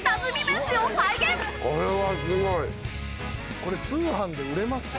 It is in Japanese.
これ通販で売れますよ。